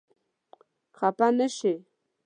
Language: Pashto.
خپه نه شې.